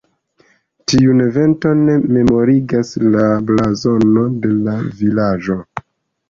Tiun eventon memorigas la blazono de la vilaĝo.